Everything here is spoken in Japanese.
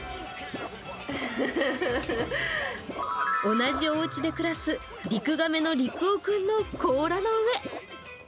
同じおうちでクラスリクガメのリクオ君の甲羅の上。